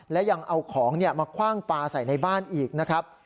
และยังเอาของมาคว่างปลาใส่ในบ้านอีกนะครับ